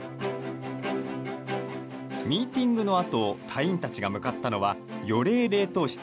ミーティングのあと、隊員たちが向かったのは予冷冷凍室。